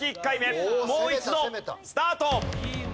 もう一度スタート！